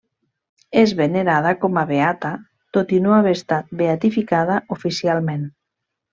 És venerada com a beata, tot i no haver estat beatificada oficialment.